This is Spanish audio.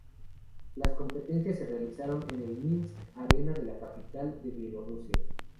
Las competiciones se realizaron en el Minsk Arena de la capital de Bielorrusia.